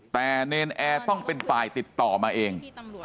แต่เนรนแอร์ต้องเป็นฝ่ายติดต่อมาเอง